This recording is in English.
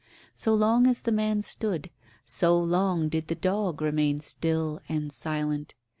So long as the man stood, so long did the dog remain still and silent.